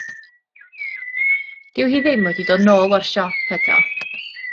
Dyw hi ddim wedi dod nôl o'r siop eto.